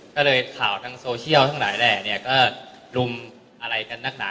ก็เลยข่าวทางโซเชียลทั้งหลายแหล่เนี่ยก็รุมอะไรกันนักหนา